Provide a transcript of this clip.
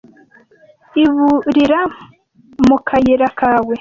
iburira mu kayira kawe